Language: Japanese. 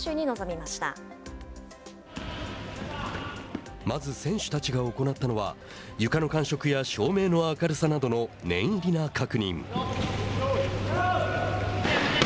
まず選手たちが行ったのは床の感触や照明の明るさなどの念入りな確認。